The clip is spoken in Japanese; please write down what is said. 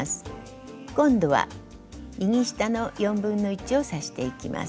今度は右下の1/4を刺していきます。